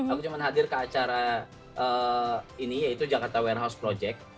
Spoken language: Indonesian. aku cuma hadir ke acara ini yaitu jakarta warehouse project